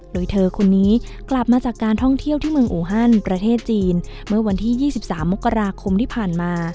โดยเธอคนนี้กลับมาจากการท่องเที่ยวที่เมืองอูฮันประเทศจีนเมื่อวันที่๒๓มกราคมที่ผ่านมา